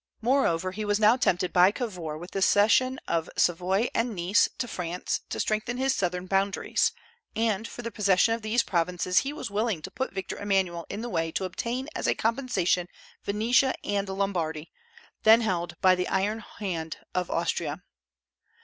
Moreover, he was now tempted by Cavour with the cession of Savoy and Nice to France to strengthen his southern boundaries; and for the possession of these provinces he was willing to put Victor Emmanuel in the way to obtain as a compensation Venetia and Lombardy, then held by the iron hand of Austria.